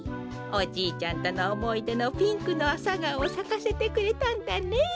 おじいちゃんとのおもいでのピンクのアサガオをさかせてくれたんだね。